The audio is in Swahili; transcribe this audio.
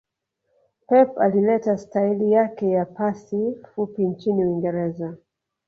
Pep alileta staili yake ya pasi fupi nchini uingereza